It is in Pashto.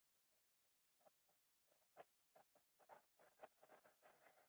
د قلم په زور یې اباده کړو.